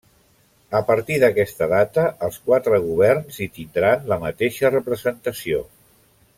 A partir d'aquesta data, els quatre governs hi tindran la mateixa representació.